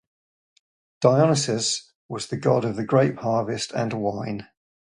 Dionysus was the god of the grape harvest and wine.